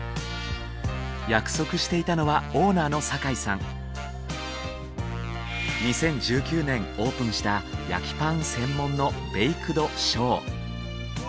約束していたのは２０１９年オープンした焼きパン専門のベイクド焼。